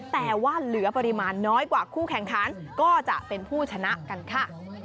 แต่ว่าเหลือปริมาณน้อยกว่าคู่แข่งขันก็จะเป็นผู้ชนะกันค่ะ